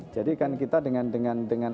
jadi kan kita dengan